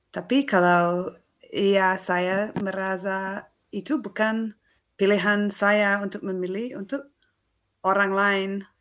tapi kalau ya saya merasa itu bukan pilihan saya untuk memilih untuk orang lain